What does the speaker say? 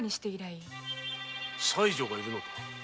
妻女がいるのか？